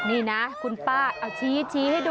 นี่นะคุณป้าเอาชี้ให้ดู